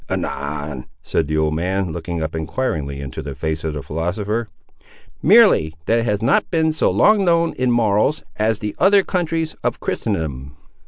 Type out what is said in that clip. "Anan!" said the old man, looking up enquiringly into the face of the philosopher. "Merely that it has not been so long known in morals, as the other countries of Christendom."